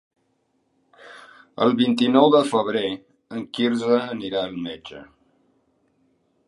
El vint-i-nou de febrer en Quirze irà al metge.